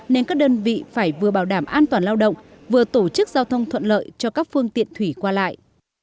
nên các đơn vị phải vừa bảo đảm an toàn lao động vừa tổ chức giao thông thuận lợi cho các phương tiện thủy qua lại